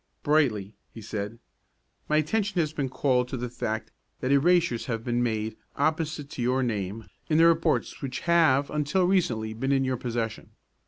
"Brightly," he said, "my attention has been called to the fact that erasures have been made opposite to your name in the reports which have, until recently, been in your possession.